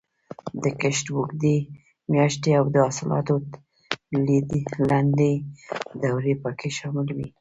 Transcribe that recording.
د کښت اوږدې میاشتې او د حاصلاتو لنډې دورې پکې شاملې وې.